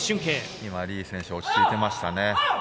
今、リ選手、落ち着いていましたね。